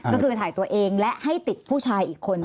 ก็คือถ่ายตัวเองและให้ติดผู้ชายอีกคน